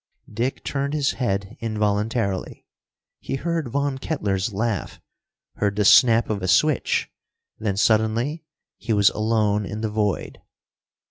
Dick turned his head involuntarily. He heard Von Kettler's laugh, heard the snap of a switch then suddenly he was alone in the void.